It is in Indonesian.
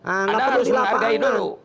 anda harus mengadain dulu